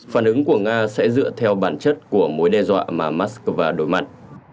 phản ứng của nga sẽ dựa theo bản chất của mối đe dọa mà moscow đối mặt